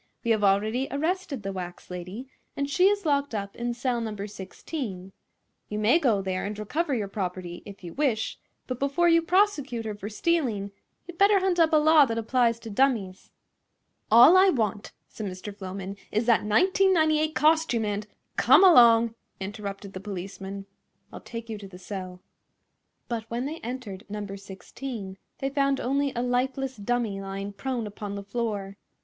We have already arrested the wax lady, and she is locked up in cell No. 16. You may go there and recover your property, if you wish, but before you prosecute her for stealing you'd better hunt up a law that applies to dummies." "All I want," said Mr. Floman, "is that $19.98 costume and—" "Come along!" interrupted the policeman. "I'll take you to the cell." But when they entered No. 16 they found only a lifeless dummy lying prone upon the floor.